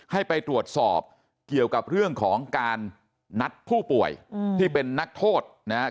ให้ไปตรวจสอบเกี่ยวกับเรื่องของการนัดผู้ป่วยที่เป็นนักโทษนะครับ